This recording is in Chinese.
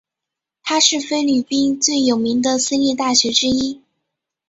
它是菲律宾最有名的私立大学之一。